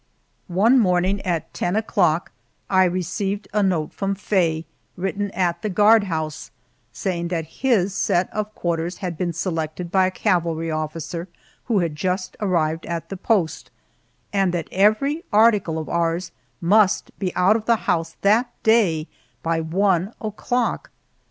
One morning at ten o'clock I received a note from Faye, written at the guard house, saying that his set of quarters had been selected by a cavalry officer who had just arrived at the post, and that every article of ours must be out of the house that day by one o'clock!